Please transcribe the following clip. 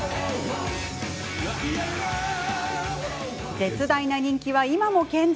絶大な人気は、今も健在。